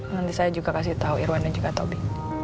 nanti saya juga kasih tahu irwan dan juga tobi